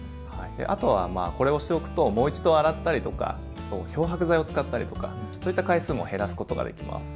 あとはまあこれをしておくともう一度洗ったりとか漂白剤を使ったりとかそういった回数も減らすことができます。